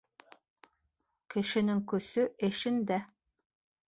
Кешенең көсө эшендә.